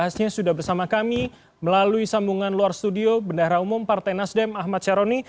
selanjutnya sudah bersama kami melalui sambungan luar studio bndh umum partai nasdem ahmad syahroni